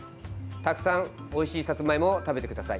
たくさんおいしいさつまいもを食べてください。